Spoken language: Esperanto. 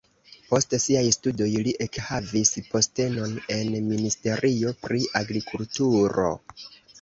Post siaj studoj li ekhavis postenon en ministerio pri agrikulturo.